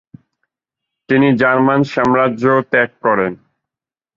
তিনি জার্মান সাম্রাজ্য ত্যাগ করেন।